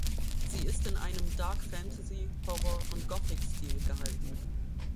Sie ist in einem Dark-Fantasy-, Horror- und Gothic-Stil gehalten.